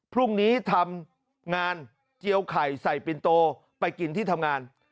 พรุ่งนี้ทำงานเจียวไข่ใส่ปินโตไปกินที่ทำงาน